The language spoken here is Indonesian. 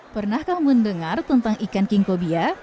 pernahkah mendengar tentang ikan king cobia